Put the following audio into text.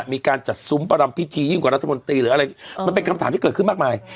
มีการจัดสุมประรำพิธีดีกว่ารัฐบนตรีมันเป็นคำถามที่เกิดขึ้นมากมาย